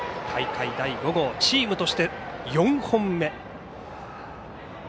大会第５号、チームとして４本目。